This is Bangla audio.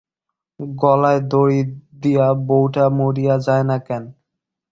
গলায় গড়ি দিয়া বৌটা মরিয়া যায় না কেন?